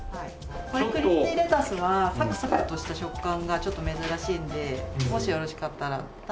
このクリスピーレタスはサクサクとした食感がちょっと珍しいんでもしよろしかったら食べてみますか？